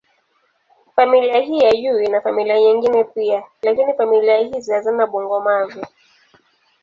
Familia hii ya juu ina familia nyingine pia, lakini familia hizi hazina bungo-mavi.